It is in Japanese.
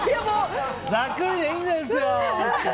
ざっくりでいいんですよって。